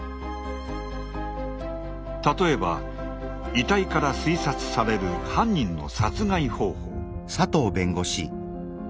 例えば遺体から推察される犯人の殺害方法。